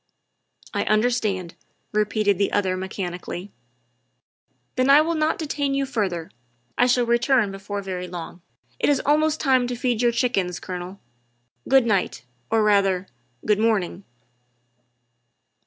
''" I understand," repeated the other mechanically. " Then I will not detain you further; I shall return before very long. It is almost time to feed your chickens, Colonel. Good night, or, rather, good morning."